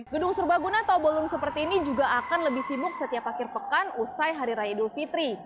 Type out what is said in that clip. gedung serbaguna atau bolum seperti ini juga akan lebih sibuk setiap akhir pekan usai hari raya idul fitri